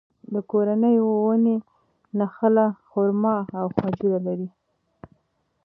د کورنۍ ونې نخله، خورما او خجوره لري.